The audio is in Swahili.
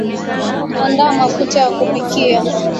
andaa mafuta ya kupikia